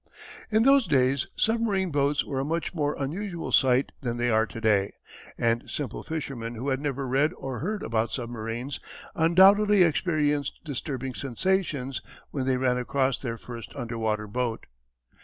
In those days submarine boats were a much more unusual sight than they are to day and simple fishermen who had never read or heard about submarines undoubtedly experienced disturbing sensations when they ran across their first underwater boat.